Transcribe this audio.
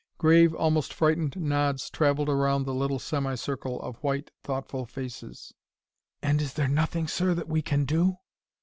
Grave, almost frightened nods travelled around the little semicircle of white, thoughtful faces. "And is there nothing, sir, that we can do?"